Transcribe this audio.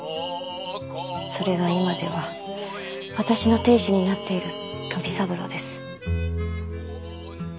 それが今では私の亭主になっている富三郎です。